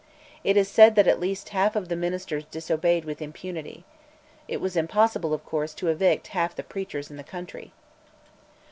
It is said that at least half of the ministers disobeyed with impunity. It was impossible, of course, to evict half of the preachers in the country.